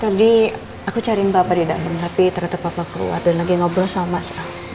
tadi aku cari bapak di dalam tapi ternyata papa keluar dan lagi ngobrol sama